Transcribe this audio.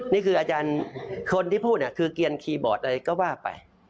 นี่คืออาจารย์คนที่พูดคือเกียรคีย์บอร์ดอะไรก็ว่าไป